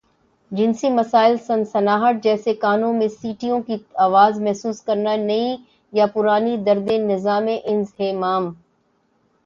جنسی مسائل سنسناہٹ جیسے کانوں میں سیٹیوں کی آواز محسوس کرنا نئی یا پرانی دردیں نظام انہضام